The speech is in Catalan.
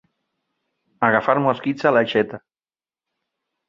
Agafar mosquits a l'aixeta.